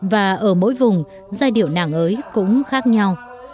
và ở mỗi vùng giai điệu nàng ới cũng khác nhau